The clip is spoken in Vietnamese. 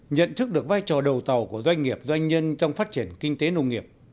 nhận thức được vai trò đầu tàu của doanh nghiệp doanh nhân trong phát triển kinh tế nông nghiệp